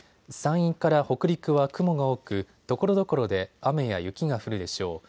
山陰から北陸は雲が多くところどころで雨や雪が降るでしょう。